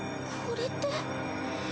これって。